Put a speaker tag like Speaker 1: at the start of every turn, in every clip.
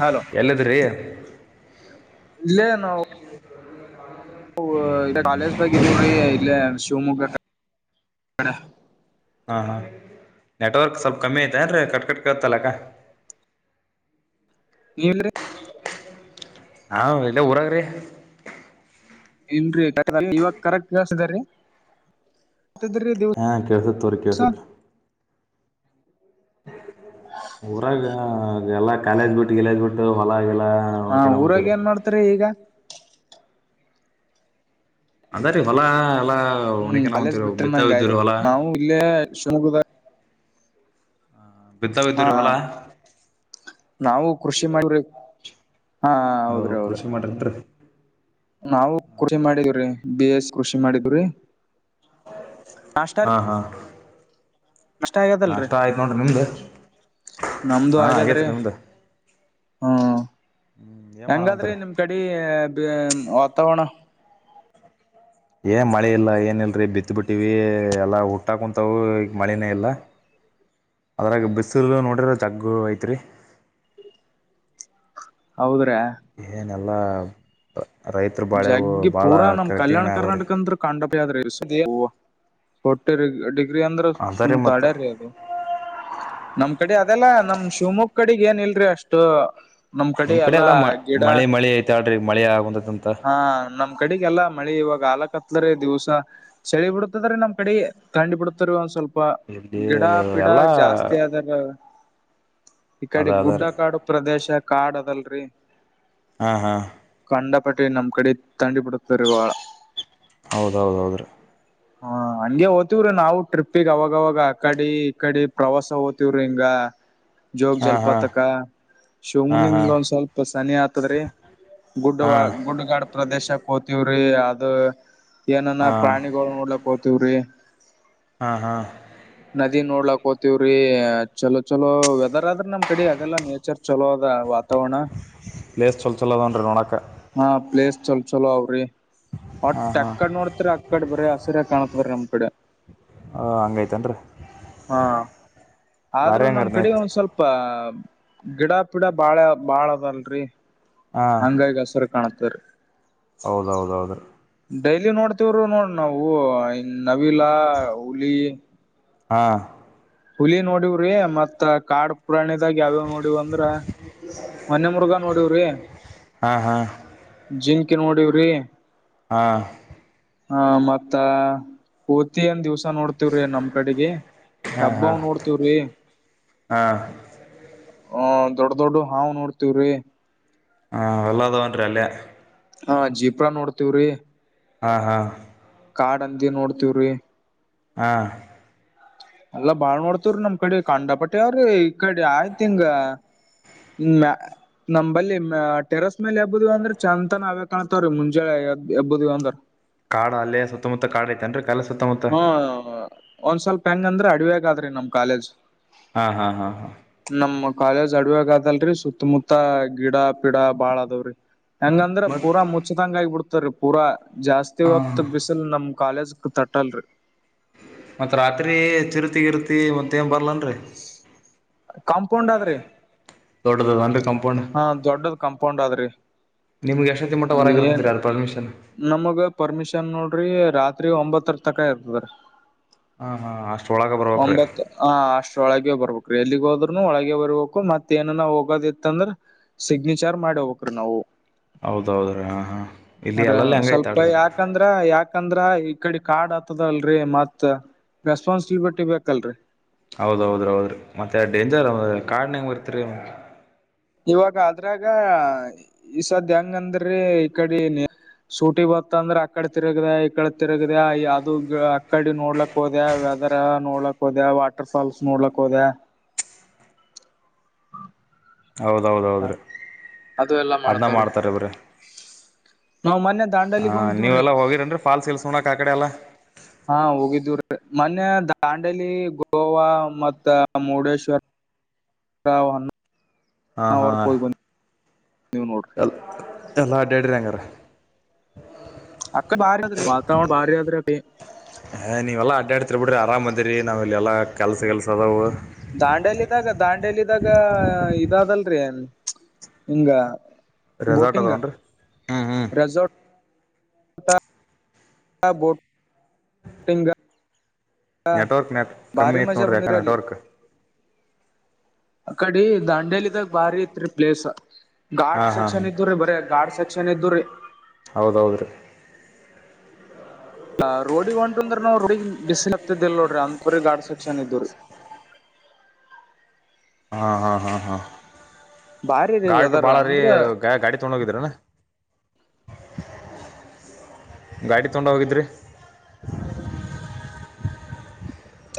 Speaker 1: Hello
Speaker 2: ಎಲ್ಲಿದ್ರಿ
Speaker 1: ಇಲ್ಲೇ ನೋ ಕಾಲೇಜ್ದಾಗ ಇದೀವ್ರಿ ಇಲ್ಲ ಶಿವಮೊಗ್ಗ ಬಡ
Speaker 2: ಹಾ ಹಾ ನೆಟ್ವರ್ಕ್ ಸ್ವಲ್ಪ್ ಕಮ್ಮಿ ಐತೆ ಅಏನ್್ರೆ ಕಟ್ ಕಟ್ಕತ್ತಲ್ಲಕ್ಕ
Speaker 1: ನೀವಲ್ರೀ
Speaker 2: ಹಾ ಇಲ್ಲ ಊರಾಗ್ರಿ
Speaker 1: ಇ ಇವಾಗ ಕರೆಕ್ಟ್ ವ್ಯವಸ್್ದ ರೀ
Speaker 2: ಹಾ ಕಳ್ಸತ್ ಅವ್ರ
Speaker 1: ದಿವ್ಸ
Speaker 2: ಕೇಳ್ಸುತ್ತ ಊರಾಗ ಎಲ್ಲ ಕಾಲೇಜ್ ಬಿಟ್ಟು ಇಲೇಜ್ ಬಿಟ್ಟು ಹೊಲಲ್ಲ
Speaker 1: ಹಾ ಊರಾಗ ಏನ್ ಮಾಡ್ತರಿ ಈಗ
Speaker 2: ಅಂದ್ರೀ ಹೊಲಾ
Speaker 1: ಹ್ಮ್ ಕಲೇಜ್ ಬಿಟ್ಟ್ರ ನಂಗ ಆಯ್ತು
Speaker 2: ಹೊಲ
Speaker 1: ನಾವು ಇಲ್ಲೇ ಶಿವಮಗ್ ಹಾ
Speaker 2: ಬಿತ್ತಾವಿದ್ದರಿ ಅಲಾ
Speaker 1: ನಾವು ಕೃಷಿ ಮಾಡ್ರಿ
Speaker 2: ನಾವು ಕೃಷಿ ಮಾಡ್ರಂತೀ.
Speaker 1: ನಾವು ಕೃಷಿ ಮಾಡಿದಿವ್ರಿ ಬಿ ಎಸ್ ಕೃಷಿ ಮಾಡಿದ್ರಿ.
Speaker 2: ಹಾ ಹಾ.
Speaker 1: ಇಷ್ಟ ಆಗ್ಯದಲ್ರಿ ನಮ್ದು
Speaker 2: ಹಾಂ
Speaker 1: ಆಗ್ಯದ್ರಿ
Speaker 2: ಆಗೇತ್ರಿ ನಿಮ್ದು ಹ್ಞೂ
Speaker 1: ಹ್ಮ.
Speaker 2: ಏನು
Speaker 1: ಹೆಂಗಾದ್ರಿ
Speaker 2: ಮಾಡಕುಂತೀರಿ
Speaker 1: ನಿಮ್ ಕಡೆ ವಾತಾವರಣ.
Speaker 2: ಏ ಮಳೆ ಇಲ್ಲ ಏನ ಇಲ್ರಿ ಬಿತ್ ಬಿಟ್ಟಿವ ಎಲ್ಲ ಹುಟ್ಟಾ ಕುಂತವು ಈಗ ಮಳನೇ ಇಲ್ಲ ಅದ್ರಾಗ ಬಿಸಿ ನೋಡ್ರ ಜಗ್ಗು ಐತ್ರಿ.
Speaker 1: ಹೌದ. ಬ್ರ.
Speaker 2: ಎಲ್ಲ.
Speaker 1: ಜಗ್ಗ ಪೂರ ನಮ ಕಲ್ಯಾಣ
Speaker 2: ಅದಾವ್ರೀ
Speaker 1: ಕರ್ನಾಟಕ ಅಂದರು ಕಂಡ. ಹೊಟ್ಟ. ಅಂದ್ರ
Speaker 2: ಅದ
Speaker 1: ಸು
Speaker 2: ರೀ ಮತ್ತು
Speaker 1: ತಾಡೆ ರದು. ನಮ ಕಡೆ ಅದೆಲ್ಲ ನಮ್ ಶಿವಮೊಗ್ ಕಡೆಗ ಏನ್ ಇಲ್ರಿ ಅಷ್ಟು
Speaker 2: ನಿಮ್ ಕಡೆ ಎಲ್ಲಾ ಮಳೆ ಮಳೆ ಐತಾಳಡ್ರಿ ಮಳೆ ಆಗಂದಂತ
Speaker 1: ಹಾ ನಮ್ ಕಡೆಗೆಲ್ಲ ಮಳೆ ಇವಾಗ ಆಲಕ್ ಹತ್ಲ ದಿವ್ಸ ಚಳಿ ಬಿಡತದ್ರ ನಮ್ ಕಡೆ ತಂಡಿ ಬಿಡತರಿ ಒಂದ್ ಸ್ವಲ್ಪ ಅ
Speaker 2: ಇಲ್ಲಿ
Speaker 1: ಗಿಡ ಪಿಡ
Speaker 2: ಎಲ್ಲ
Speaker 1: ಜಾಸ್ತಿ ಆದದ್ರ ಈ
Speaker 2: ಅದ
Speaker 1: ಕಡೆ
Speaker 2: ಅದ
Speaker 1: ಗುಡ್ಡ
Speaker 2: ರೀ
Speaker 1: ಕಾಡು ಪ್ರದೇಶ ಕಾಡದಲ್ರಿ [inaudible]
Speaker 2: ಹಾ ಹಾ
Speaker 1: ಕಂಡ ಪಟ್ಟ ನಮ್ಮ್ ಕಡೆ ತಂಡಿ ಪಡತರುಗ
Speaker 2: ಹೌದೌದ ಹೌದು ರೀ
Speaker 1: ಹ ಹಗೆ ಓ್ತವ್ರಿ ನಾವು ಟ್ರಿಪ್ಪಿಗ್ ಅವಾಗವಾಗ ಆ ಕಡೆ ಈ ಕಡಿ ಪ್ರವಾಸ ಓ್ತಿವ್ರಿ ಹಿಂಗ ಜೋಗ
Speaker 2: ಹಾಂ
Speaker 1: ಜಲಪಾತಕ
Speaker 2: ಹಾಂ ಹಾಂ
Speaker 1: ಶಿವಮಗ್ನಿಂದ ಒಂದ್ ಸ್ವಲ್ಪ ಸನಿ ಹತದ್ರೆ
Speaker 2: ಹಾಂ ಹಾಂ
Speaker 1: ಗುಡ್ಡ ಪ್ರದೇಶಕ್ಕತಿ ಕೂರಿ ಅದು ಏನನ್ನ ಪ್ರಾಣಿಗಳು ನೋಡ್ಲಕ್ ಹೋಗ್ತವ್ರಿ
Speaker 2: ಹಾ ಹಾ
Speaker 1: ಕೋತವ್ರೀ ಚಲೋ ಚಲೋ ವೆದರ್ ಆದ್ರೆ ನಮ್ ಕಡೆ ಅದೆಲ್ಲ ನೇಚರ್ ಚಲೋ ಅ
Speaker 2: ಲಸ್ ಚಲ ಚಲೋ ಅದನ್ರಿ ನೋಡಕ
Speaker 1: ಹಾ ಪ್ಲೇಸ್ ಚಲ ಚಲೋ ಅವ್ರಿ
Speaker 2: ಹಾಂ
Speaker 1: ವಟ್ಟೆ
Speaker 2: ಹಾಂ
Speaker 1: ಎಕ್ಕಡೆ ನೋಡ್ತರಿ ಅಕ್ಕಡೆ ಬ್ರಿ ಹಸಿರ ಕಾಣತ್ ಬ್ರಿ ನಮ ಡ
Speaker 2: ಹ ಹಂಗೈತನ್ರಿ
Speaker 1: ಹಾ ಆದ್ರೂ ನಮ್ ಕಡೆ ಒಂದ್ ಸ್ವಲ್ಪ ಗಿಡ ಪಿಡ ಬಾಳ ಬಾಳ ಅದಲ್ರಿ ಹಂಗ ಆಗಹಸರ ಕಣುತ್ತರು
Speaker 2: ಹೌದೌದೌದು
Speaker 1: ಡೈಲಿ ನೋಡ್ತವರು ನೋಡ ನಾವು ಇ ನವಿಲಾ ಹುಲಿ
Speaker 2: ಹಾ
Speaker 1: ಹುಲಿ ನೋಡವ್ರಿ ಮತ್ತ್ ಕಾಡ್ ಪುಾಣದಾಗ ಯಾವ್ಯಾವ್ ನೋಡವ್ ಅಂದ್ರ ಮನ್ ಮುರ್ಗಾ ನೋಡವ್ರಿ
Speaker 2: ಹಾಂ ಹಾಂ
Speaker 1: ಜಿ ನೋಡವ್ರಿ
Speaker 2: ಹಾ
Speaker 1: ಹಾ ಮತ್ತ ಊತಿವ್ ಏನ್ ದಿವ್ಸ ನೋಡ್ತವ್ರಿ ನಮ್ ಕಡೆಗೆ
Speaker 2: ಹಾ ಹಾ
Speaker 1: ಹಬ್ಬವನ್ ನೋಡ್ತವ್ರಿ
Speaker 2: ಹಾ
Speaker 1: ಹ ದೊಡ್ ದೊಡ್ ಹಾವ್ ನೋಡ್ತವ್ರಿ
Speaker 2: ಹಾ ಎಲ್ಲ ಅದಾವನ್ರಿ ಅಲ್ಲೇ
Speaker 1: ಹಾ ಜೀಪ್ರಾ ನೋಡ್ತವ್ರಿ
Speaker 2: ಹಾ ಹಾ
Speaker 1: ಕಾಡ್ ಹಂದಿ ನೋಡ್ತವ್ರಿ
Speaker 2: ಹಾ
Speaker 1: ಎಲ್ಲಾ ಬಾಳ್ ನೋಡ್ತೇವ್ರಿ ನಮ್ ಕಡೆ ಕಾಂಡಪಟ ಅವ್ರಿ ಕಡೆ ಆಯ್ತ ಹಿಂಗ ಹ್ಮ ನಮಲ್ಲಿ ಟೆರಸ್ ಮೇಲೆ ಹಬುದು ಅಂದ್ರೆ ಚಾಂತನ್ ಅವೇ ಕಾಣುತ್ತಾ ಮುಂಜೆನೆ ಎಬ್ಬುದು ಅಂದ್ರ
Speaker 2: ಕಾಡ ಅಲ್ಲೇ ಸುತ್ತಮುತ್ತ ಕಾಡ್ ಐತೆನ್ರರಿ ಕಾಲೆಜಿ ಸುತ್ತಮುತ್ತ
Speaker 1: ಹಾ ಒಂದ್ ಸ್ವಲ್ಪ ಹೆಂಗಂದ್ರೆ ಅಡವ್ಯಗ ಆದ್ರಿ ನಮ್ ಕಾಲೇಜ್
Speaker 2: ಹಾ ಹಾ ಹಾ ಹಾ
Speaker 1: ನಮ್ ಕಾಲೇಜ್ ಅಡವಿಯಗದಲ್ರಿ ಸುತ್ತಮುತ್ತ ಗಿಡ ಪಿಡ ಬಾಳ ಅದಾವ್ರರಿ ಹೆಂಗಂದ್ರ
Speaker 2: ಮತ್
Speaker 1: ಪೂರ ಮುಚ್ಚದಂಗ ಆಗ ಬಿಡ್ತ ಮಾತಾರಿ ಪೂರ ಜಾಸ್ತಿ
Speaker 2: ಹ
Speaker 1: ಹೊತ್ತು ಬಿಸಿಲು ನಮ್ಮ ಕಾಲೇಜ್ ತಟ್ಟ ಟಲ್ ರೀ
Speaker 2: ಮತ್ತ ರಾತ್ರಿ ಚಿರುತಿ ಗಿರ್ತಿ ಮತ್ತ ಏನ್ ಬರ್ಲ
Speaker 1: ಕಾಂಪೌಂಡ್ ಆದ್ರಿ
Speaker 2: ದೊಡ್ಡದದನ್ರಿ ಕಂಪೌಂಡ್
Speaker 1: ಹ ದೊಡ್ಡದ ಕಾಂಪೌಂಡ್ ಆದ್ರಿ
Speaker 2: ನಿಮ್ಗೆ ಎಷ್ಟೊತ್ತಿ ಮಟ್ಟ ಹೊರಗ
Speaker 1: ಏನ್
Speaker 2: ಇರ್ತದ್ರಿ ಅದ ಪರ್ಮಿಷನ್
Speaker 1: ನಮಗ ಪರ್ಮಿಷನ್ ನೋ ರಿ ರಾತ್ರಿ ಒಂಬತ್ತರ ತಕ ಇರ್ತದೀ
Speaker 2: ಹಾ ಹಾ ಅಷ್ಟ ಒಳಗ ಬರಬೇಕ್ರಿ
Speaker 1: ಒಳಗ ಬರ್ಬೇಕ್ರೀ ಎಲ್ಲಿಗ್ ಹೋದ್ರುನು ಒಳಗೆ ಬರ್ಬೇಕಕ್ ಮತ್ಏನ ನ ಹೋಗೋದಿತ್ತ ಅಂದ್ರ ಸಿಗ್ನೇಚರ್ ಮಾಡಿ ಹೋಗಬೇಕ್ ನಾವು
Speaker 2: ಹೌದೌದ್ರೀ ಹಾ ಹಾಂ ಇಲ್ಲಿ
Speaker 1: ಅ
Speaker 2: ಎಲ್ಲಲ್ಲಿ ಹಂಗ
Speaker 1: ಸ್ವಲ್ಪ
Speaker 2: ಐತಾಳ್ರಿ
Speaker 1: ಯಾಕಂದ್ರ ಯಾಕ ಯಾಕಂದ್ರ ಈ ಕಡೆ ಕಾರ್ಡ್ ಆತದಲ್ರರಿ ಮತ್ ರೆಸ್ಪಾನ್ಸಿಬಲಿಟಿ ಬೇಕಲ್ರರಿ
Speaker 2: ಹೌದ್ದ್ರ ಹೌದ್ರೀ ಮತ್ತೆ ಡೇಂಜರ್ ಕಾಡ್ ಹೆಂಗ್ ಬರ್ತರಿ
Speaker 1: ಇವಾಗ ಅದ್ರಾಗ ಈಸದ ಹೆಂಗ ಅಂದ್ರಿ ಈಕಡಿ ಸೂಟಿ ಬತ್ತ ಅಂದ್ರ ಆಕಡೆ ತಿರುಗದೆ ಈ ಕಡೆ ತಿರುಗದ ಅದು ಅಕಡಿ ನೋಡ್ಲಕ್ ಹೋದೆ ವೆದರ್ ನೋಡ್ಲಕ್ ಹೋದೆ ವಾಟರ್ಫಾಲ್ಸ್ ನೋಡ್ಲಕ್ ಹೋದೆ
Speaker 2: ಹೌದ ಹೌದ ಹೌದು ರೀ
Speaker 1: ಅದು ಎಲ್ಲಾ
Speaker 2: ಅದನ್ನ
Speaker 1: ಮಾಡ್ತಾವ್ರಿ
Speaker 2: ಮಾಡ್ತಾರೆ ಬಿಡ್ರಿ
Speaker 1: ನಾವ್ ಮೊನ್ನೆ ದಾಂಡಲಿಗ್
Speaker 2: ಹಾ
Speaker 1: ಹೋಗಿದ್ದೀವ್ರಿ
Speaker 2: ನೀವೆಲ್ಲಾ ಹೋಗಿರನ್ರಿ ಫಾಲ್ಸ್ ಗಿಲ್ಸ್ ನೋಡೋಕೆ ಆ ಕಡೆ ಎಲ್ಲಾ
Speaker 1: ಹಾ ಹೋಗಿದೀವಿರಿ ಮೊನ್ನೆ ದಾಂಡೇಲಿ ಗೋವಾ ಮತ್ತ ಮುರುಡೇಶ್ವರ್ [inaudible]
Speaker 2: ಹಾ ಹಾ
Speaker 1: ಬಂದೀವ್ ನೋಡ್ರಿ
Speaker 2: [unintelligible] ಎಲ್ಲಾ ಅಡ್ಯಡಿರಿ [unintelligible] ಹಂಗರ
Speaker 1: ಅಕ್ಕ ಭಾರ ಭ ಭಾರ ಯಾತ್ರರೆ [unintelligible]
Speaker 2: ಏ ನೀವೆಲ್ಲ ಅಡ್ಡಾಡ್ತಿರ್ [unintelligible]
Speaker 1: ಹ
Speaker 2: ಕೆಲ್ಸ ಗಿಲ್ಸ ಅದಾವು
Speaker 1: ದಾಂಡಲಿದಾಗ ದಾಂಡಲಿದಾಗ ಹ ಇದಾದಲ್ [unintelligible] ಹಿಂಗ
Speaker 2: ರೆಸಾರ್ಟ್
Speaker 1: ಬೋಟಿಂಗ್
Speaker 2: ಅದಾವನ್ರೀ ಹ್ಮ್ ಹ್ಮ್.
Speaker 1: ರೆಸಾರ್ಟ್ ಹ ಬೋಟ್ಟಂಗ [inaudible]
Speaker 2: ನೆಟ್ವರ್ಕ್ ನೆಟ್ ಕಮ್ಮಿ ಐತ್ ನೋಡ್ರಿ ಯಾಕ ನೆಟ್ವರ್ಕ್
Speaker 1: ಅ ಕಡೆ ದಾಂಡೇಲಿದಾಗ ಬಾರಿ ಇತ್ರಿ ಪ್ಲೇಸ್
Speaker 2: ಹಾ
Speaker 1: ಘಾಟ್
Speaker 2: ಹಾ ಹಾ
Speaker 1: ಸೆಕ್ಷನ್ ಇದ್ದುರೀ ಬರಿ ಘಾಟ್ ಸೆಕ್ಷನ್ ಇದ್ದರೀ
Speaker 2: ಹೌದೌದ್ರೀ
Speaker 1: ಆ ರೋಡಿಗ ಹೊಂಟು ಅಂದ್ರ ನಾವು [unintelligible] ರೋಡಿ ಬಿಸಿ ಹತ್ತಿದ್ದಿಲ್ ನೋಡ್ರಿ ಅಂತಪೂರಿ ಗಾಡ್ ಸೆಕ್ಷನ್ ಇದ್ರಿ
Speaker 2: ಹಾ ಹಾ ಹಾ ಹಾ
Speaker 1: ಬಾರಿ ರೀ
Speaker 2: ಗಾಟು
Speaker 1: ವೆದರ್
Speaker 2: ಬಾಳ್ರೀ
Speaker 1: ಅಂದ್ರ
Speaker 2: ಗಾ ಗಾಡಿ ತಗೊಂಡ ಹೋಗಿದ್ರನಾ ಗಾಡಿ ತೊಂಡ ಹೋಗಿದ್ರಿ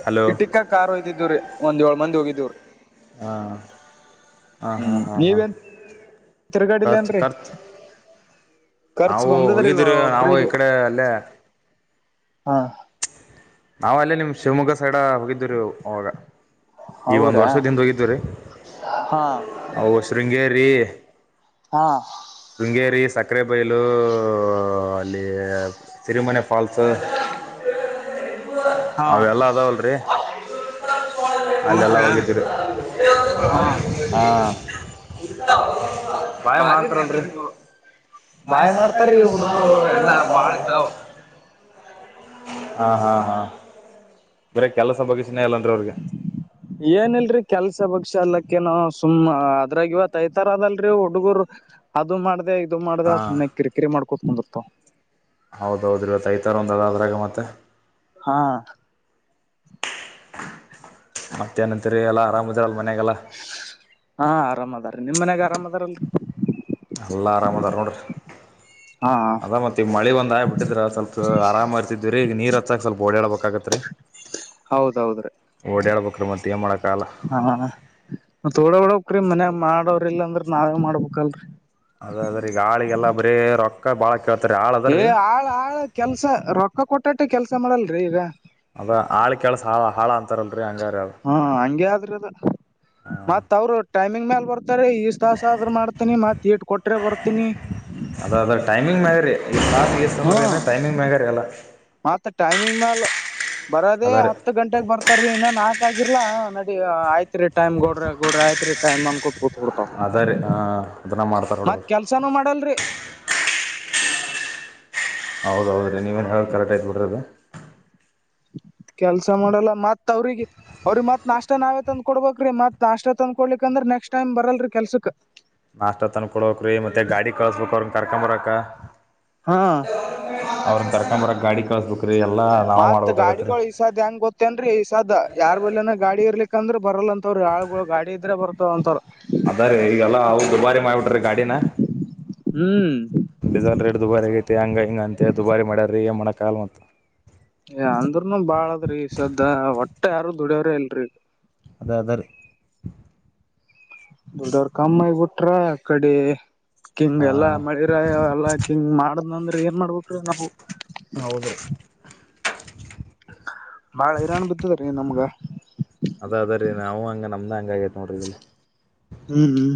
Speaker 2: ಹಲೋ
Speaker 1: ಇಟಿಕ್ಕ ಕಾರ್ [unintelligible] ಇದ್ದಿದ್ದೂರಿ ಒಂದ್ಏಳ ಮಂದಿ ಹೋಗಿದೀವಿರಿ [unintelligible]
Speaker 2: ಹಾ ಹಾ ಹಾ
Speaker 1: ಹ್ಮ್
Speaker 2: ಹಾ ಹಾ
Speaker 1: ನೀವೇನ್
Speaker 2: ಖರ್ಚ
Speaker 1: ತಿರ್ಗಾಡಿಲ್ಲೇನ್ರಿ
Speaker 2: ಖರ್ಚ್
Speaker 1: ಖರ್ಚು
Speaker 2: ನಾವು
Speaker 1: ಬಂದದ್ರಿ
Speaker 2: ಹೋಗಿದ್ರ ನಾವು ಈ
Speaker 1: ಒಬ್ರಿಗೆ
Speaker 2: ಕಡೆ ಅಲ್ಲೇ
Speaker 1: ಹಾ [unintelligible]
Speaker 2: ನಾವು ಅಲ್ಲೇ ನಿಮ್ ಶಿವಮೊಗ್ಗ ಸೈಡ ಹೋಗಿದ್ದರಿ ಅವಾಗ ಈ ಒಂದ್
Speaker 1: ಹೌದ್ರಾ
Speaker 2: ವರ್ಷದಿಂದ ಹೋಗಿದವ್ರೀ
Speaker 1: ಹಾ
Speaker 2: ಅವು ಶೃಂಗೇರಿ
Speaker 1: ಹಾ
Speaker 2: ಶೃಂಗೇರಿ ಸಕ್ಕರೆ ಬೈಲು ಅಲ್ಲಿ ಸಿರಿಮನೆ ಫಲ್ಸ್
Speaker 1: ಹಾ
Speaker 2: ಅವೆಲ್ಲ ಅದಾವಲ್ರಿ ಅಲ್ಲೆಲ್ಲ
Speaker 1: ಹೌದ್ರಾ
Speaker 2: ಹೋಗಿದ್ದೀರಿ
Speaker 1: ಹಾ
Speaker 2: ಹಾ ಪಾಯ
Speaker 1: ಬಾರಿರಿ ಅಂದ್ರ
Speaker 2: ಮಾಡ್ತಾರಲ್ರರಿ [unintelligible]
Speaker 1: ನೀವು ಬಾಯ್ ಮಾಡ್ತಾರೀ ಹುಡುಗುರು ಎಲ್ಲಾ ಬಾಳ ಇದಾವ.
Speaker 2: ಹಾ ಹಾ ಹಾ ಬರಿ ಕೆಲಸ ಬಗ್
Speaker 1: ಏನಲ್ರಿ ಕೆಲ್ಸ ಬಗ್ [unintelligible] ಸುಮ್ಮ ಅದ್ರಾಗ ಇವತ್ [unintelligible] ತರ ಅದಲ್ರಿ ಹುಡುಗರ್ ಅದು ಮಾಡ್ದೇ ಮಾಡದೆ
Speaker 2: ಹಾಂ
Speaker 1: ಸುಮ್ನೆ ಕಿರಿ ಮಾಡ [unintelligible]
Speaker 2: ಹೌದೌದ್ರಿ ಇವತ್ತು ಐತಾರ [unintelligible] ಒಂದ ಅದ್ರಾಗ ಮತ್ತೆ
Speaker 1: ಹಾ.
Speaker 2: ಮತ್ತ ಏನತ್ರಿ ಎಾ ಆರಾಮ್ ಇದ್ರ.
Speaker 1: ಹಾ ಆರಾಮದಾರೆ ನಿಮ್ ಮನ್ಯಾಗ. ಗ್ರಾಮದರಲ್ಲಿ.
Speaker 2: ಅಲ್ಲ ಆರಾಮಂದ್ ಅರೋೊಂಡ್ರರಿ.
Speaker 1: ಹಾ ಹಾ
Speaker 2: ಅದ ಮತ್ತೆ ಈ ಮಳಿ ಒಂದ್್ಬ ಬಿಟ್ಟಿದ್ರ ಸ್ವಲ್ಪ ಆರಾಮ ಇರ್ತಿದ್ರರಿ ಈಗ ನೀರ್ ಹತ್ತ ಸ್ವಲ್ಪ ಓಡಾಳ್ಬ. ಕ್ಕಗತ್ರಿ.
Speaker 1: ಹೌದೌದ್ರೀ
Speaker 2: ಮತ್ತ ಏನ್ ಮಾಡಕ್ಕಾಗಲ್ಲ
Speaker 1: ಹ ಮೋಡ ಡ ಕ್ರ ಮನ. ಮಾಡೋ್ರಲ್ಲ ಅಂದ್ರ ನಾವೇ ಮಾಡ್ಬೇಕಲ್ರರಿ.
Speaker 2: ಅದೇ ಅದ್ರ ಈಗ ಆಳಿಗೆಲ್ಲ ಬರೀ ರೊಕ್ಕ. ಬಳ.
Speaker 1: ಏ ಆಳ್ ಆಳ್ ಕೆಲ್ಸ ರೊಕ್ಕ ಕೊಟ್ಟ. ಒಟ್ಟಟ್ಟ ಕೆಲಸ ಮಾಡಲ್ರಿೀ ಈಗ.
Speaker 2: ಅದ ಆಳ ಕೆೇಳಸ ಹಳ ಹಾಳ ಅಂತಾರ.
Speaker 1: ಹಾ ಹಗೆ ಆದ್ರದು ಮತ್ ಅವರು ಟೈಮಿಂಗ್ ಮೇಲೆ. ತಾರೆ ಈಷ್ಟ ತಾಸ ಆದ್ರರು ಮಾಡ್ತನಿ ಮತ್ ಇಟ್ ಕೊಟ್ರೆ ಬರ್ತೀನಿ. ಹ್ಮ್
Speaker 2: ಟಮಿಂಗ್ ಮ್ಯಾಗೇರಿ ಎಲ್ಲಾ.
Speaker 1: ನಿಮ್ಮಾಲ ಬರೋದೇ ಹತ್ತು ಗಂಟೆೆಗೆ ಬರ್ತಾರೀ ಇನ್ನು ನಾಲ್ಕು ವಾಗಿರ್ಲಾ ನಡಿ ಆಯ್ತ ೈ್ ಗಡ ಗಡ ಆ ತ್ರಿ ಟೈಮ್ ಅನಕೋತ ಕುತ್ತ ೋಡ್ತಾವ
Speaker 2: ಅದ ರೀ ಹಾಂ ಅದನ್ನ ಮಾಡ್ತಾರ
Speaker 1: ಮತ್
Speaker 2: ನೋಡ್ರಿ
Speaker 1: ಕೆಲ್ಸಾನೂ ಮಾಡಲ್ರಿ
Speaker 2: ಹೌದ ಹೌದು ರೀ ನೀವೇನು ಹೇಳಿ ಕರೆಕ್ಟ್ ಆಯತು ಬಿಡ್ರದು
Speaker 1: ಕೆಲ್ಸ ಮಾಡಲ್ಲ ಮತ್ ಅವ್ರಿಗ ಅವ್ರಿಗ ಮತ್ ನಾಷ್ಟ ನಾವೇ ತಂದ ಕೊಡಬೇಕರಿ ಮತ್ ನಾಷ್ಟ ತಂದ್ಕೊಡ್ಲಿಕ್ಂದ್ರೆ ನೆಕ್ಸ್ಟ್ ಟೈಮ್ ಬರಲ್ರರಿ ಕೆಲ್ಸಕ್
Speaker 2: ಮಾಸ್ಟರ್ ತನ್ ಕೊಡಕ್ರೀ ಮತ್ತೆ ಗಾಡಿ ಕಳಸ್ಬೇಕಕ್ ಕರ್ಕಂಬರಕ್ಕ
Speaker 1: ಹಾ
Speaker 2: ಅವ್ರನ್ನ ತರ್ಕೊಂಬರ ಗಾಡಿ ಕಸ್ಬುಕ್
Speaker 1: ಮತ್ ಗಾಡಿಗಳು ಈಸಾದ್ ಹೆಂಗ್ ಗೊತ್ತೇನ್ರರಿ ಈಸಾದ್ ಯಾರ್ ಬಲ್ನ ಗಾಡಿ ಇರ್ಲಿಕ್ಕೆ ಯಾಂದ್ರೆ ಬಲ್ಲ ಅಂತವ್ ಯಾಳ್ಗಳು ಗಾಡಿ ಇದ್ರೆ ಬರ್ತವ ಅಂತವ್
Speaker 2: ಮ ಗಾಡಿಿನ
Speaker 1: ಹ್ಮ್
Speaker 2: ಡೀಸೆಲ್ ರೇಟ್ ದುಬಾರಿ ಆಗೈತೆ ಹಂಗ ಹಿಂಗ ಅಂತೆ ದುಬಾರಿ ಮಾಡ್ಯಾರಿ ಏನ್ ಮಾಡ ಕಾಲ್ ಮತ್ತ
Speaker 1: ಅಂದ್ರೂನು ಬಾಳದ್ರಿ ಸದ್ದ ಹೊಟ್ಟೆ ಯಾರ ದುಡ್ಯೋರೇ ಇಲ್ರಿ
Speaker 2: ಅದ ಅದ ರೀ
Speaker 1: ದೊಡ್ಡವ್ರ ಕಮ್ಮಾಯಬಟ್ರ ಆ ಕಡೆ ಕಿಂಗ ಎಲ್ಲಾ ಮಳಿರ ಎಲ್ಲಾ ಕಿಂಗ್ ಮಾಡದ್ನಂದ್ರ ನ್ ಮಾಡ್ಬೇಕು ರೀ ನಾವು
Speaker 2: ಹೌದ್ರಿ
Speaker 1: ಬಾಳ್ ಹೈರಾಣ ಬಿದ್ದಿದ್ರಿ ನಮಗ
Speaker 2: ನೋಡ
Speaker 1: ಹ್ಮ್ ಹ್ಮ್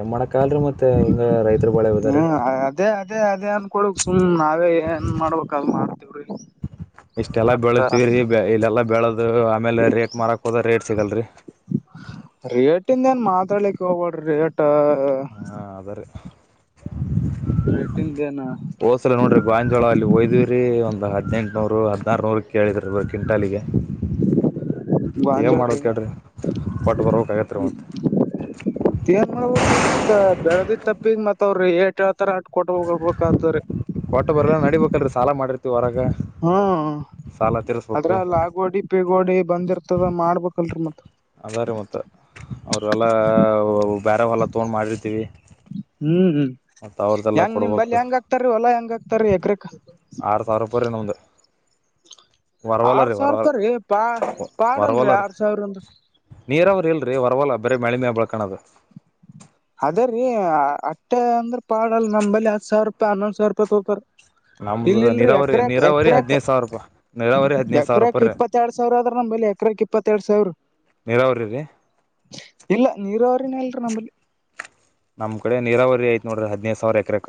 Speaker 2: ಏನ್ ಮಾಡಕ್ಕಾಗಲ್ಲ ರೀ ಮತ್ತೆ ಮತ್ತೆ ಹಿಂಗ ರೈತರು ಬಳೆವದಾರಿ
Speaker 1: ಹ್ಮ್ ಅದೇ ಅದೇ ಏನ್ ಕೊಡಕ್ ಸುಮ್ ನಾವೇ ಏನ್ ಮಾಡ್ಬೇಕ ಅದು ಮಾಡ [unintelligible]
Speaker 2: ಇಷ್ಟೆಲ್ಲಾ ಬೆಳತವಿ ರೀ ಇಲ್ಲೆಲ್ಲಾ ಬೆಳದ ಅದು ಆಮೇಲೆ ರೇಟ್ ಮಾರಕ್ ಹೋದ ರೇಟ್ ಸಿಗಲ್ರಿ
Speaker 1: ನ್ ಮಾತ್ರಕ್ ಹೋಗಬ್ರ ರೇಟ್
Speaker 2: ಹಾ ಅದಾರೀ
Speaker 1: ರೇಟಿಂದ ಏನ್
Speaker 2: ಹೋಸಲ ನೋಡ್ರಿ ಗಾಂಜೋಳ ಅಲ್ಲಿ ಹೋಯ್ದ್ವಿ್ರರಿ ಒಂದ್ ಹದ್ನೆಂಟನೂರು ಹದ್ನಾರ ನೂರ್ ಕೇಳಿದ್ರಿ ಅವರ್ ಕಿಂಟಾಲಿಗೆ
Speaker 1: ಗಂಜೋಳ್ರಿರ್
Speaker 2: ಹೇಳ್ರಿ ಕೊಟ್ಟ ಬರ್ಬೇಕಾಗತ್ರಿ ಮತ್ತೆ
Speaker 1: ನೋಡ್ಬ ಮತ್ತತ್ ಬೆಳದಿ ತಪ್ಪಿದ ಮತ್ ಅವ್ರರು ಏ
Speaker 2: ಪೋಟ ಬರ ನಡಿಬೇಕಲ್ ಸಾಲ ಮಾಡಿರ್ ರ
Speaker 1: ಹ್ಮ ಅದ್ರ ಅಲ್ಲ ಆಗೋಡಿ ಪಿಗೋಡಿ ಬಂದಿರ್ತದ ಮಾಡ್ಬೇಕಲ್ರರಿ ಮತ್ತ
Speaker 2: ಅದಾರೆ ಮತ್ತ ಅವ್ರ ಎಲ್ಲ ಬೇರ ಹೂಲ್ಲ ತಗೊಂಡ್ ಮಾಡಿರ್ತೀವಿ
Speaker 1: ಹ್ಮ್ ಹ್ಮ್
Speaker 2: ಮತ್ತು ಅವ್ರದ್ದೆಲ್ಲ
Speaker 1: ಹೆಂಗ್ ನಿಮ್ ಬಲ್ಲಿ
Speaker 2: ಕೊಡ್ಬೇಕು
Speaker 1: ಹೆಂಗ ಆಗ್ತಾರೀ ಹೊಲ ಹೆಂಗ ಆಕ್ತಾರ ಎಗ್ರಕ
Speaker 2: ಆರು ಸಾವಿರ ರೂಪಾಯಿ ರೀ ನಮ್ದು ವರವಲ
Speaker 1: ಆರ್
Speaker 2: ರೀ ವರವಲ
Speaker 1: ಸಾವಿರಪರೀ ಪಾ
Speaker 2: ವರವಲ
Speaker 1: ಪಾಡಲ್ರಿ ಆರ್ ಸಾವಿರ ಅಂದು
Speaker 2: ಲೀ ಹೊರವಲ್ಲ ಬರ ಮಳ ಮೆ ಬಳ್ಕಣದು
Speaker 1: ಅದೇ ರೀ ಅಟ್ಟೆ ಅಂದ್ರ ಪಾಡಲ್ ನಮ್ಮಳ ಹತ್ ಸಾವಿರ ರೂಪಾಯಿ ಹನ್ನೊಂದ್ ಸಾವಿರ ರೂಪಾಯಿ ತೊಕ ಇಲ್ಲಿ
Speaker 2: ನಮ್ಮದು
Speaker 1: ಇಲ್ರಿ
Speaker 2: ನೀರಾವರಿ
Speaker 1: ಎಕ್ರಾಕ್
Speaker 2: ನೀರಾವರಿ
Speaker 1: ಎಕ್ರಕ್
Speaker 2: ಹದಿನೈದು ಸಾವಿರ ರೂಪಾಯಿ ನೀರಾವರಿ ಹದಿನೈದು ಸಾವಿರ
Speaker 1: ಎಕ್ರಾಕ್
Speaker 2: ರೂಪಾಯಿ ರೀ
Speaker 1: ಇಪ್ಪತ್ತೆರಡ್ ಸಾವಿರ ಅದ್ರ ನಮಲ್ಲಿ ಎಕ್ರಾಕ್ ಇಪ್ಪತ್ತೆರಡ್ ಸಾವಿರ
Speaker 2: ನೀರಾವರಿ ರೀ
Speaker 1: ಇಲ್ಲ ನೀರ ಅವ್ರನ ಇಲ್ರ ನಮ್ಮಲ್ಲಿ
Speaker 2: ನಮ್ಮ ಕಡೆ ನೀರಾವರಿ ಆಯತು ನೋಡ್ರರಿ ಹದಿನೈದು ಸಾವಿರ ಎಕರೆಕ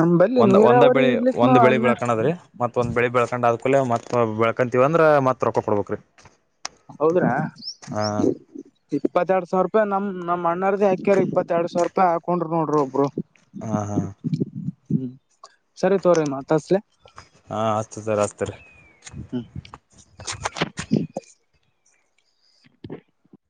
Speaker 1: ನಂಬಲ್ಲಿ
Speaker 2: ಒಂದ್ ಒಂದ
Speaker 1: ನೀರಾವರಿ
Speaker 2: ಬೆಳಿ
Speaker 1: ಇರ್ಲಿಕ್ನು
Speaker 2: ಒಂದ್ ಬೆಳಿ
Speaker 1: ಹನ್ನೆರಡ್
Speaker 2: ಬೆಳ್ಕಣದ್ರೀ ಮತ್ತ ಒಂದ್ ಬೆಳಿ ಬೆಳಳ್ಕೊಂಡ ಲೆ ಮತ್ ಬೆಳ್ಕಂತೀವ ಅಂದ್ರ ಮತ್ ರೊಕ್ಕ ಕೊಡ್ಬೇಕೇಕ್ರಿ
Speaker 1: ಹೌದ್ರ ಇಪ್ಪತ್ತ ಎರಡ್ ಸಾವಿರ ರೂಪಾಯಿ ನಮ ನಮ್ಮ್ ಅಣ್ಣರ ಯಾಕ್ಯ್ರ ಇಪ್ಪತ್ತ ಎರ ಸಾವಿರ ರೂಾಯಿ ಹಾಕೊಂಡ್ ನೋಡ್ರಿ ಒಬ್ರು
Speaker 2: ಹಾಂ ಹಾಂ
Speaker 1: ಹ್ಮ್ ಸರಿ ತೋ್ರಿ ಮಾತ್ತಸ್ಲೆ
Speaker 2: ಚದರಸ್ತ್ರ
Speaker 1: ಹ್ಮ್ [inaudible]